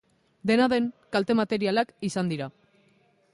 Dena den, kalte materialak izan dira.